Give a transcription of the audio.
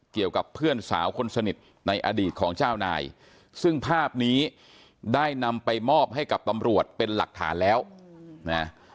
เกี่ยวกับเพื่อนสาวคนสนิทในอดีตของเจ้านายซึ่งภาพนี้ได้นำไปมอบให้กับตำรวจเป็นหลักฐานแล้วนะ